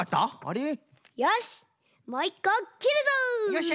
よし！